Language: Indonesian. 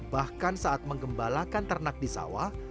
bahkan saat menggembalakan ternak di sawah